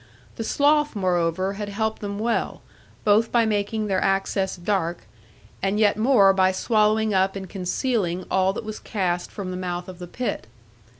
The slough, moreover, had helped them well, both by making their access dark, and yet more by swallowing up and concealing all that was cast from the mouth of the pit.